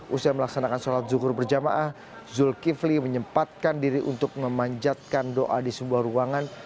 usia melaksanakan sholat zuhur berjamaah zulkifli menyempatkan diri untuk memanjatkan doa di sebuah ruangan